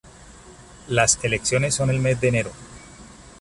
Las elecciones son el mes de enero.